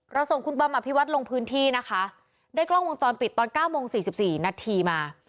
เราส่งคุณบำอภิวัตรลงพื้นที่นะคะได้กล้องวงจรปิดตอนเก้าโมงสี่สิบสี่นาทีมา